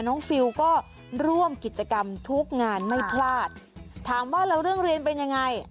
ฟิลก็ร่วมกิจกรรมทุกงานไม่พลาดถามว่าแล้วเรื่องเรียนเป็นยังไง